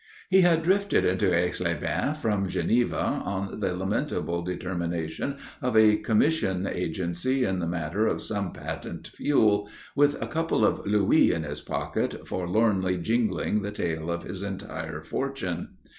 He had drifted into Aix les Bains from Geneva on the lamentable determination of a commission agency in the matter of some patent fuel, with a couple of louis in his pocket forlornly jingling the tale of his entire fortune.